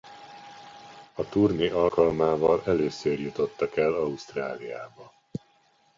A turné alkalmával először jutottak el Ausztráliába.